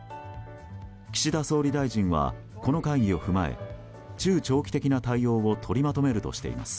岸田総理大臣はこの会議を踏まえ中長期的な対応を取りまとめるとしています。